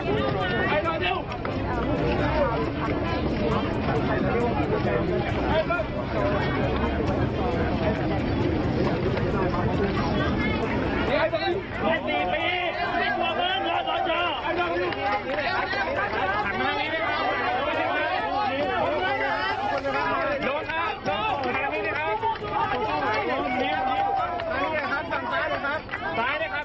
นิดหนึ่งตามสาวทางซ้ายนะครับถ้าอยู่ซ้ายนะครับ